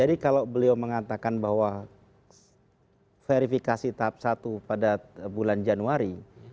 jadi kalau beliau mengatakan bahwa verifikasi tahap satu pada bulan januari